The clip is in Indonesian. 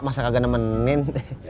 masa gak nemenin